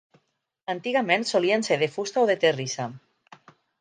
Antigament solien ser de fusta o de terrissa.